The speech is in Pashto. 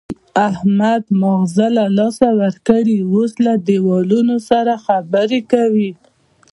احمد ماغزه له لاسه ورکړي، اوس له دېوالونو سره خبرې کوي.